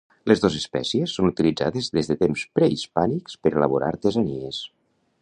Les dos espècies són utilitzades des de temps prehispànics per elaborar artesanies.